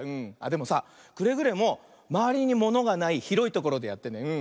でもさくれぐれもまわりにものがないひろいところでやってね。